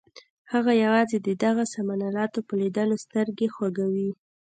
هغه یوازې د دغو سامان الاتو په لیدلو سترګې خوږوي.